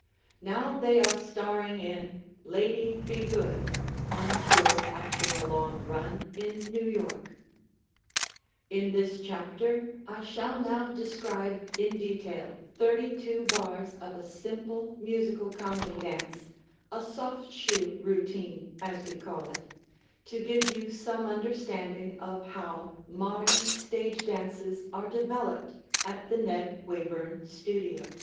Now they are starring in "Lady, Be Good," on tour after a long run in New York. In this chapter I shall now describe in detail 32 bars of a simple musical comedy dance, a "soft shoe" routine, as we call it, to give you some understanding of how modern stage dances are developed at the Ned Wayburn Studios.